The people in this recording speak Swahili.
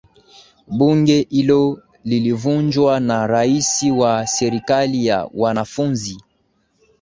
bunge hilo lilivunjwa na raisi wa serikali ya wanafunzi